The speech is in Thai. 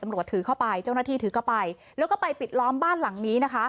ถือเข้าไปเจ้าหน้าที่ถือเข้าไปแล้วก็ไปปิดล้อมบ้านหลังนี้นะคะ